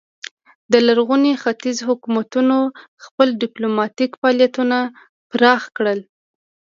د لرغوني ختیځ حکومتونو خپل ډیپلوماتیک فعالیتونه پراخ کړل